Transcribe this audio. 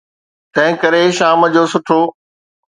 تنهن ڪري شام جو سٺو.